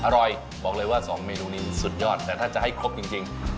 อร่อยบอกเลยว่า๒เมนูนี้มันสุดยอดแต่ถ้าจะให้ครบจริง